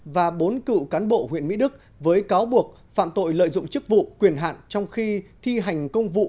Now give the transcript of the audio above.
và bốn cựu cán bộ huyện mỹ đức với cáo buộc phạm tội lợi dụng chức vụ quyền hạn trong khi thi hành công vụ